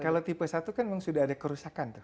kalau tipe satu kan memang sudah ada kerusakan tuh